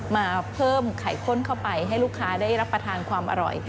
มาเพิ่มไข่ข้นเข้าไปให้ลูกค้าได้รับประทานความอร่อย